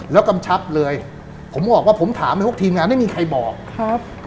แล้วกำชับเลยผมบอกว่าผมถามเลยทุกทีมงานไม่มีใครบอกครับ